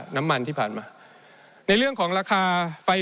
ในช่วงที่สุดในรอบ๑๖ปี